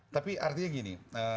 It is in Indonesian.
tapi artinya gini